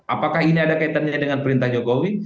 apakah ini ada kaitannya dengan perintah jokowi